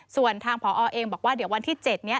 ส่วนทางผอเองบอกว่าเดี๋ยววันที่๗นี้